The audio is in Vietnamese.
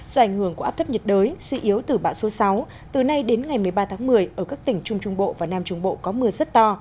do ảnh hưởng của áp thấp nhiệt đới suy yếu từ bão số sáu từ nay đến ngày một mươi ba tháng một mươi ở các tỉnh trung trung bộ và nam trung bộ có mưa rất to